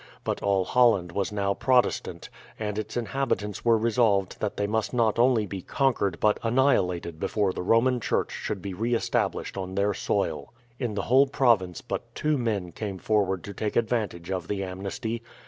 But all Holland was now Protestant, and its inhabitants were resolved that they must not only be conquered but annihilated before the Roman Church should be re established on their soil. In the whole province but two men came forward to take advantage of the amnesty.